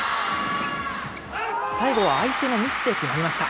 最後は相手のミスで決まりました。